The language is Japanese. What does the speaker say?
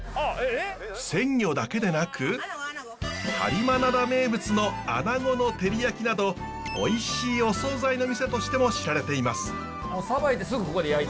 鮮魚だけでなく播磨灘名物のアナゴの照り焼きなどおいしいおそうざいの店としても知られています。